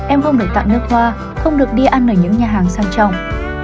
em không được tặng nước hoa không được đi ăn ở những nhà hàng sang trồng